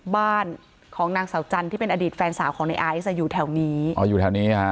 บ้านของนางสาวจันทร์ที่เป็นอดีตแฟนสาวของในไอซ์อ่ะอยู่แถวนี้อ๋ออยู่แถวนี้ฮะ